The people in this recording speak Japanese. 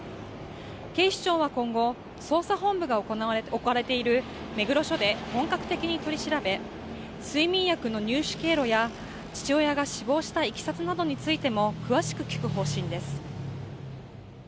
警視庁は今後、捜査本部が置かれている目黒署で本格的に取り調べ睡眠薬の入手経路や父親が死亡したいきさつなどについても詳しく聞く方針です。